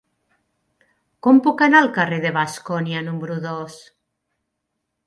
Com puc anar al carrer de Bascònia número dos?